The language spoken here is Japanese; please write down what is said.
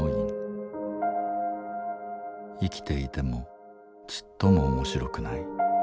生きていてもちっとも面白くない。